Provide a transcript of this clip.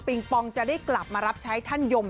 ปองจะได้กลับมารับใช้ท่านยม